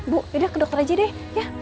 bu ya udah ke dokter aja deh ya